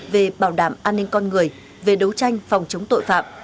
về bảo đảm an ninh con người về đấu tranh phòng chống tội phạm